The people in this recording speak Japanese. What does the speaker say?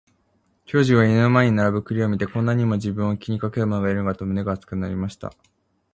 兵十は家の前に並ぶ栗を見て、こんなにも自分を気にかける者がいるのかと胸が熱くなりました。